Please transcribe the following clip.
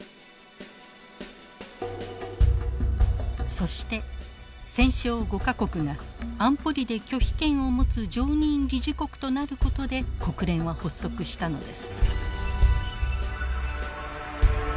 そして戦勝５か国が安保理で拒否権を持つ常任理事国となることで国連は発足したのです。